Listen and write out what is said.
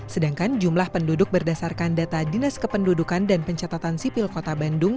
sedangkan jumlah penduduk berdasarkan data dinas kependudukan dan pencatatan sipil kota bandung